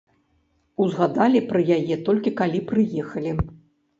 Узгадалі пра яе, толькі калі прыехалі.